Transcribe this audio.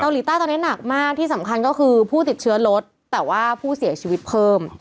ใต้ตอนนี้หนักมากที่สำคัญก็คือผู้ติดเชื้อลดแต่ว่าผู้เสียชีวิตเพิ่ม